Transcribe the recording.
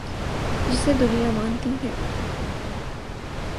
جسے دنیا مانتی ہے۔